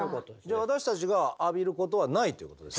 私たちが浴びることはないということですね？